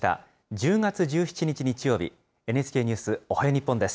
１０月１７日日曜日、ＮＨＫニュースおはよう日本です。